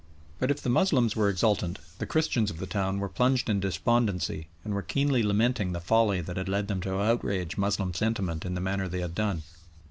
But if the Moslems were exultant, the Christians of the town were plunged in despondency and were keenly lamenting the folly that had led them to outrage Moslem sentiment in the manner they had done.